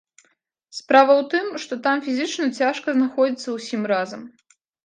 Справа ў тым, што там фізічна цяжка знаходзіцца ўсім разам.